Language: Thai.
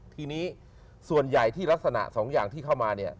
ทีนี้ส่วนใหญ่ที่ลักษณะสองอย่างที่เข้ามาเนี่ย